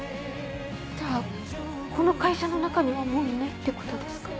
ではこの会社の中にはもういないってことですか？